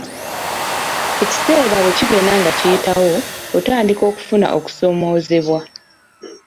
Ekiseera bwe kigenda nga kiyitawo, otandika okufuna okusoomoozebwa.